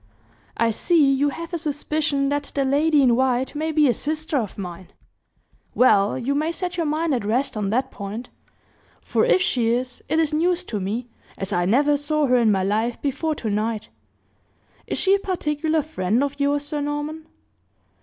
"I see! you have a suspicion that the lady in white may be a sister of mine. Well, you may set your mind at rest on that point for if she is, it is news to me, as I never saw her in my life before tonight. Is she a particular friend of yours, Sir Norman?"